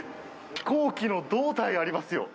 飛行機の胴体ありますよ。